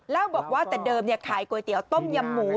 เล่าบอกว่าแต่เดิมขายก๋วยเตี๋ยวต้มยำหมู